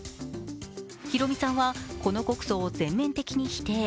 ヒロミさんは、この告訴を全面的に否定。